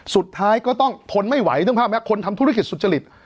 สุดท้ายก็ต้องทนไม่ไหวนึกภาพไหมคนทำธุรกิจสุจริต